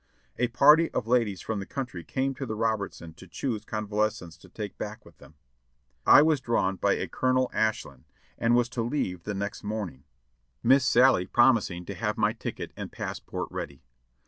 A party of ladies from the country came to The Robertson to choose convalescents to take back with them. I was drawn by OFF DUTY 565 a Colonel Ashlin, and was to leave the next morning, Miss Sallie promising to have my ticket and passport ready.